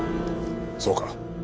そうか。